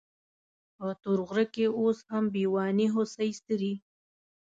په تور غره کې اوس هم بېواني هوسۍ څري.